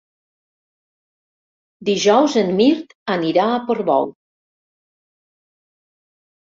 Dijous en Mirt anirà a Portbou.